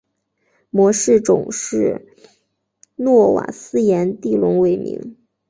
模式种是诺瓦斯颜地龙为名。